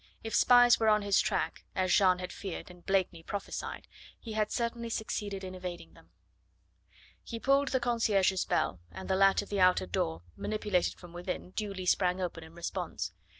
If spies were on his track, as Jeanne had feared and Blakeney prophesied, he had certainly succeeded in evading them. He pulled the concierge's bell, and the latch of the outer door, manipulated from within, duly sprang open in response.